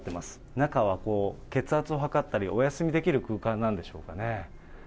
中はこう、血圧を測ったり、お休みできる空間なんでしょうかね。